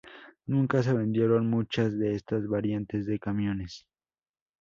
Nunca se vendieron muchas de estas variantes de camiones.